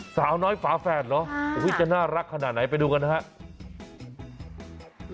สาวน้อยฝาแฝดเหรอจะน่ารักขนาดไหนไปดูกันนะครับ